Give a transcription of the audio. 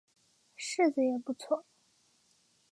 柿子也不错